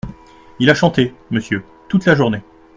Il a chanté, monsieur, toute la journée.